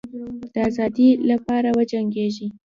د آزادی لپاره وجنګېږی.